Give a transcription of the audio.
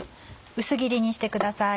薄切りにしてください。